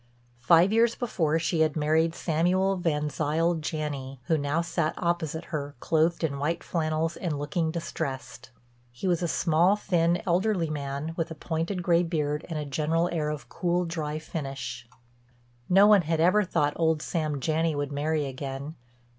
Five years before, she had married Samuel Van Zile Janney, who now sat opposite her clothed in white flannels and looking distressed. He was a small, thin, elderly man, with a pointed gray beard and a general air of cool, dry finish. No one had ever thought old Sam Janney would marry again.